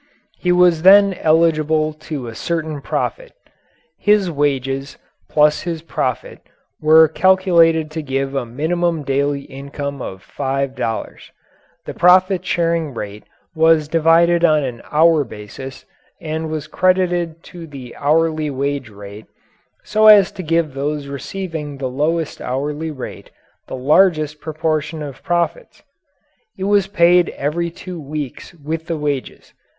He was then eligible to a certain profit. His wages plus his profit were calculated to give a minimum daily income of five dollars. The profit sharing rate was divided on an hour basis and was credited to the hourly wage rate, so as to give those receiving the lowest hourly rate the largest proportion of profits. It was paid every two weeks with the wages.